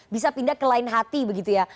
bisa pindah ke lain hati begitu ya